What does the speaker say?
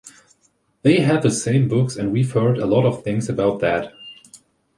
They had the same books and we've heard a lot of things about that.